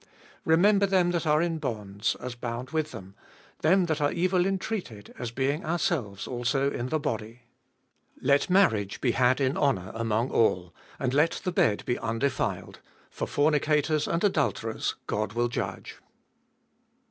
3. Remember them that are in bonds, as bound with them; them that are evil entreated, as being ourselves also in the body. 4. Let marriage be had In honour among all, and let the bed be undeflled : for fornicators and adulterers God will judge.